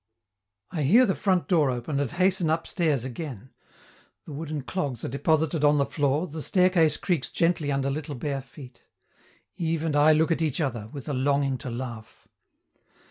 I hear the front door open, and hasten upstairs again. Wooden clogs are deposited on the floor, the staircase creaks gently under little bare feet. Yves and I look at each other, with a longing to laugh.